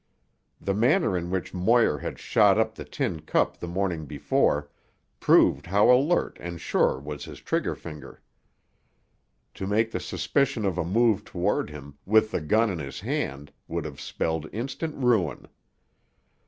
The manner in which Moir had shot up the tin cup the morning before proved how alert and sure was his trigger finger. To make the suspicion of a move toward him, with the gun in his hand, would have spelled instant ruin.